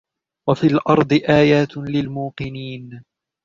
وَفِي الْأَرْضِ آيَاتٌ لِلْمُوقِنِينَ